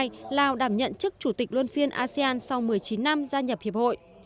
sau lào đảm nhận chức chủ tịch luân phiên asean sau một mươi chín năm gia nhập hiệp hội